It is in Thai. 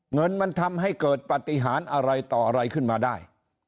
เงินมันทำให้เกิดปฏิหารอะไรต่ออะไรขึ้นมาได้